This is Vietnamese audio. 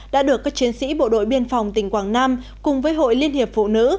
đã được các chiến sĩ bộ đội biên phòng tỉnh quảng nam cùng với hội liên hiệp phụ nữ